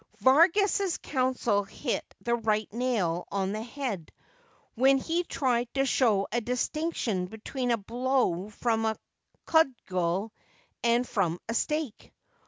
Vargas's counsel hit the right nail on the head when he tried to show a distinction between a blow from a cudgel and from a stake.